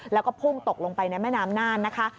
แล้วก็พุ่งตกลงไปในแม่น้ำน่านนะคะ